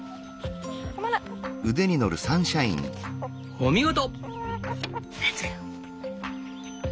お見事！